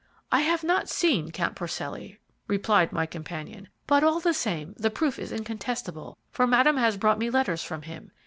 "I have not seen Count Porcelli," replied my companion; "but all the same, the proof is incontestable, for Madame has brought me letters from him.